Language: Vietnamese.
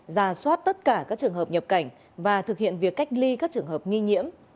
ra soát tất cả các trường hợp nhập cảnh và thực hiện việc cách ly các trường hợp nghi nhiễm